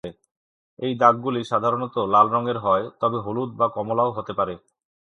এই দাগগুলি সাধারণত লাল রঙের হয়, তবে হলুদ বা কমলাও হতে পারে।